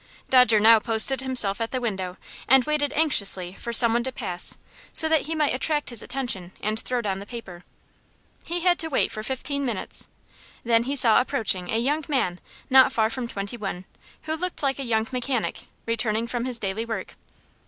Dodger now posted himself at the window and waited anxiously for some one to pass, so that he might attract his attention and throw down the paper. He had to wait for fifteen minutes. Then he saw approaching a young man, not far from twenty one, who looked like a young mechanic, returning from his daily work.